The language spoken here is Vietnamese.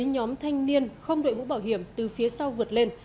nhóm thanh niên không đội mũ bảo hiểm từ phía sau vượt lên